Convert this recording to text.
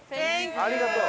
ありがとう！